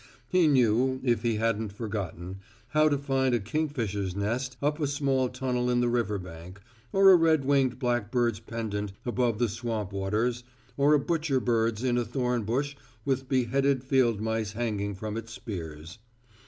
He knew, if he hadn't forgotten, how to find a kingfisher's nest up a small tunnel in the river bank, or a red winged blackbird's pendant above the swamp waters, or a butcher bird's in a thornbush with beheaded field mice hanging from its spears.